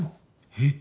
えっ。